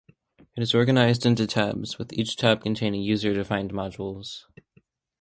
It is organized into tabs, with each tab containing user-defined modules.